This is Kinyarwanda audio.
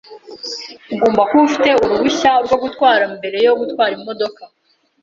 Ugomba kuba ufite uruhushya rwo gutwara mbere yo gutwara imodoka.